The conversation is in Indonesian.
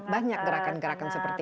banyak gerakan gerakan seperti